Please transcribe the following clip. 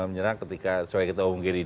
menyerang ketika supaya kita umum diri